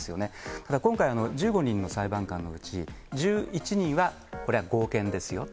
ただ、今回、１５人の裁判官のうち、１１人はこれは合憲ですよ。